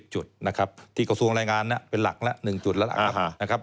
๑๐จุดนะครับที่กระทรวงรายงานเป็น๑จุดแล้วนะครับ